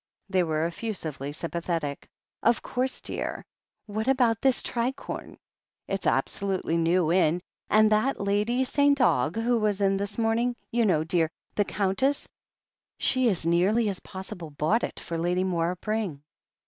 They were effusively sympathetic. "Of course, dear — what about this tricornef It's absolutely new in, and that Lady St. Ogg who was in this morning — ^you know, dear, the Gjuntess — ^she as nearly as possible bought it for Lady Moira Pring.